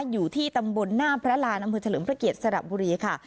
อยู่ที่ตำบลหน้าพระรานอำเภอเฉลิมพระเกียรติสระบุรีค่ะ